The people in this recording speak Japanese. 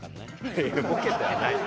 いやいやボケてはない。